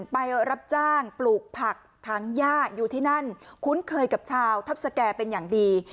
ไปรับจ้างปลูกผักถังย่าอยู่ที่นั่นคุ้นเคยกับชาวทัพสแก่เป็นอย่างดี